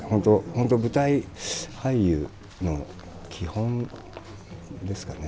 本当舞台俳優の基本ですかね。